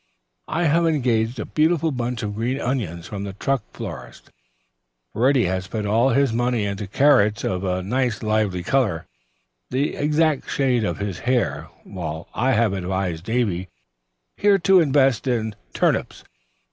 "I have engaged a beautiful bunch of green onions from the truck florist, Reddy has put all his money into carrots of a nice lively color, the exact shade of his hair, while I have advised Davy here to invest in turnips.